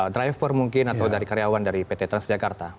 driver mungkin atau dari karyawan dari pt transjakarta